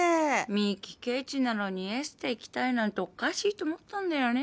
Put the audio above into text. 美樹ケチなのにエステ行きたいなんておかしいと思ったんだよね。